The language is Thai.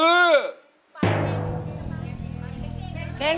เปลี่ยนเพลง